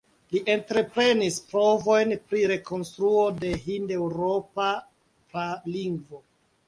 Li entreprenis provojn pri rekonstruo de hindeŭropa pralingvo.